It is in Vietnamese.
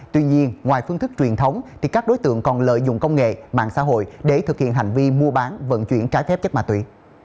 tuy nhiên ngoài phương thức truyền thống thì các đối tượng còn lợi dụng công nghệ mạng xã hội để thực hiện hành vi mua bán vận chuyển trái phép chất ma túy